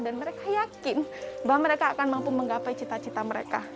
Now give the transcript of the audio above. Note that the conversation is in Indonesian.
dan mereka yakin bahwa mereka akan mampu menggapai cita cita mereka